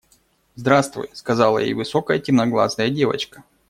– Здравствуй, – сказала ей высокая темноглазая девочка.